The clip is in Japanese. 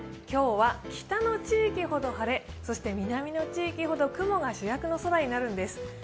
今日は北の地域ほど晴れ、そして南の地域ほど雲が主役の空になるんです。